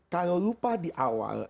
kalau lupa di awal